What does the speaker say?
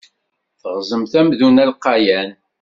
Ɣzemt amdun alqayan.